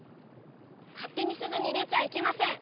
勝手に外に出ちゃいけません！